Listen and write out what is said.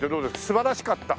「素晴らしかった」